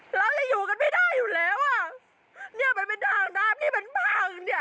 เราจะอยู่กันไม่ได้อยู่แล้วอ่ะเนี้ยมันเป็นด้านด้านที่มันพังเนี้ย